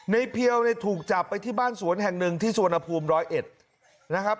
ในพี่เอาถูกจับไปที่บ้านสวนแห่งหนึ่งที่สวนภูมิ๑๐๑นะครับ